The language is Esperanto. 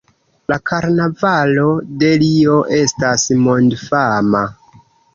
La karnavalo de Rio estas mondfama.